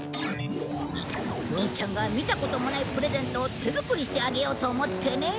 ミィちゃんが見たこともないプレゼントを手作りしてあげようと思ってね。